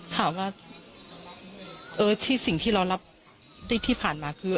ถามว่าเออที่สิ่งที่เรารับที่ผ่านมาคือ